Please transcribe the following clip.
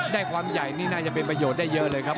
ได้ความใหญ่นี่น่าจะเป็นประโยชน์ได้เยอะเลยครับ